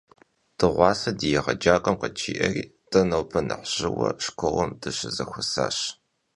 Dığuase di yêğecak'uem khıci'eri, de nobe nexh jı'ueu şşkolım dışızexuesaş.